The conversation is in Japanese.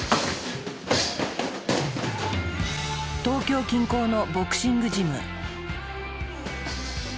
東京近郊のボクシングジム。